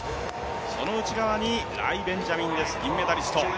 その内側にライ・ベンジャミンです、銀メダリスト。